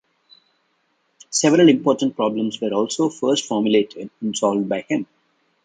Several important problems were also first formulated and solved by him.